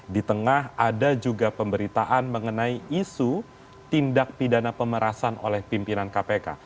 di tengah ada juga pemberitaan mengenai isu tindak pidana pemerasan oleh pimpinan kpk